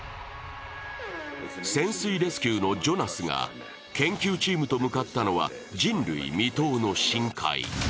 潜水レスキューのジョナスが研究チームと向かったのは人類未踏の深海。